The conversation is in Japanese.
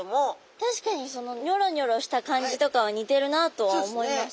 確かにニョロニョロした感じとかは似てるなとは思います。